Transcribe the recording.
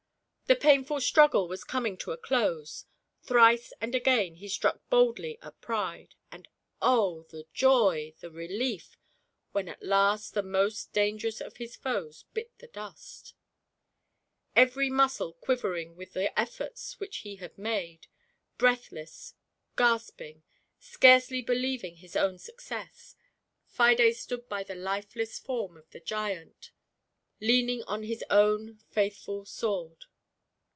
The painful struggle was coming to a close; thrice and again he struck boldly at Pride, and oh, the joy, the relief when at last the most dangerous of his foes bit the dust ! Every muscle quivering with the efforts which he had made, breathless, gasping, scarcely believing his own success. Fides stood by the lifeless form of the giant, leaning on his own faithful sword